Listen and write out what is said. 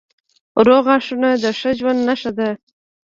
روغ غاښونه د ښه روغتیا نښه ده.